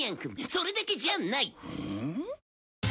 それだけじゃない。